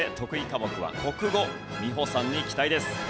科目は国語美穂さんに期待です。